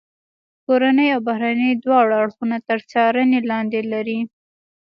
کورني او بهرني دواړه اړخونه تر څارنې لاندې لري.